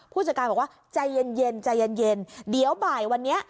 ผู้จัดการบอกว่าใจเย็นใจเย็นเดี๋ยวบ่ายวันนี้